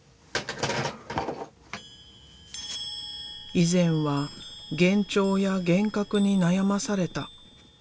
以前は幻聴や幻覚に悩まされた。